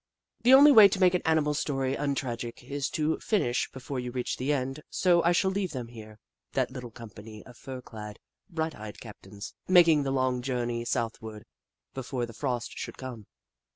The only way to make an animal's story un tragic is to finish before you reach the end, so I shall leave them here — that little company of fur clad, bright eyed captains, making the long journey southward before the frost should come.